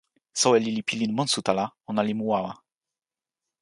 soweli li pilin monsuta la, ona li mu wawa.